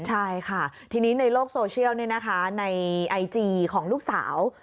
ใช่ค่ะทีนี้ในโลกโซเชียลในไอจีของลูกสาว